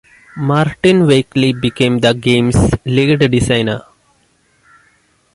Martin Wakeley became the game's lead designer.